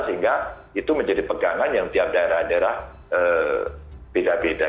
sehingga itu menjadi pegangan yang tiap daerah daerah beda beda